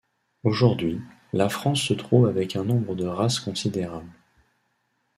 Aujourd'hui, la France se trouve avec un nombre de races considérable.